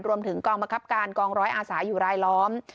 รวมถึงกองบังคับการกองร้อยอาสาอยู่รายล้อม